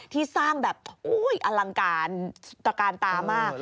ที่สร้างแบบอลังการตระการตามาก